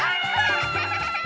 アハハハ！